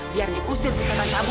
biar diusir ke kata kamu